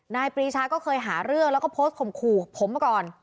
ปรีชาก็เคยหาเรื่องแล้วก็โพสต์ข่มขู่ผมมาก่อน